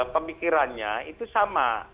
pemikirannya itu sama